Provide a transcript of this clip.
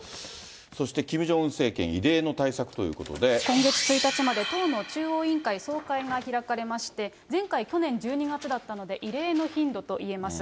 そしてキム・ジョンウン政権異例今月１日まで、党の中央委員会総会が開かれまして、前回、去年１２月だったので、異例の頻度と言えます。